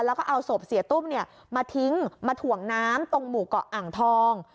แล้วก็เอาศพเสียตุ้มมาทิ้งมาถ่วงน้ำตรงหมู่เกาะอ่างทอง